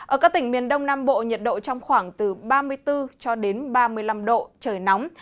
ở các tỉnh miền đông nam bộ nhiệt độ trong khoảng từ ba mươi bốn cho đến ba mươi năm độ trời nóng